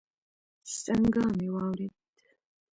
شرنگا مې واورېد.